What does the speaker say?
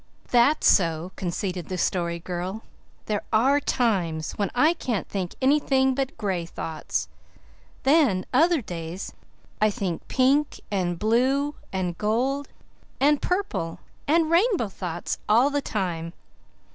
"That's so," conceded the Story Girl. "There ARE times when I can't think anything but gray thoughts. Then, other days, I think pink and blue and gold and purple and rainbow thoughts all the time."